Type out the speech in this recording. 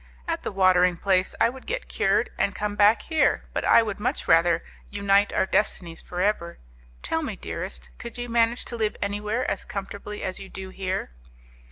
At the watering place I would get cured, and come back here, but I would much rather unite our destinies for ever. Tell me, dearest, could you manage to live anywhere as comfortably as you do here?"